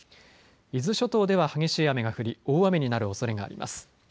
伊豆諸島では激しい雨が降り大雨になるおそれがあります。